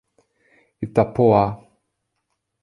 Itapoá